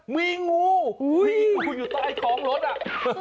มีงูมีงูอยู่ใต้ของรถน่ะ